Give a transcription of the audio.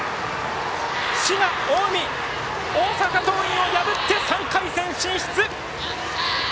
滋賀・近江、大阪桐蔭を破って３回戦進出。